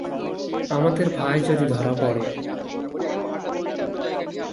আমাদের ভাই যদি ধরা পড়ে!